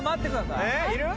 いる？